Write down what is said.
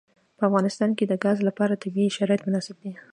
په افغانستان کې د ګاز لپاره طبیعي شرایط مناسب دي.